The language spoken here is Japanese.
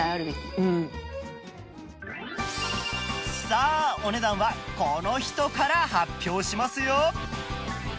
さあお値段はこの人から発表しますよ！